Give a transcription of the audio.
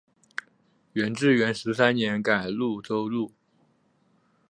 元至元十三年改婺州路。